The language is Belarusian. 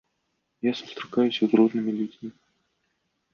Я сустракаюся з рознымі людзьмі.